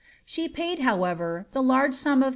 She paid, how ever, the large sum of 13^.